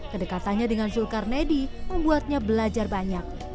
kedekatannya dengan zul karnedi membuatnya belajar banyak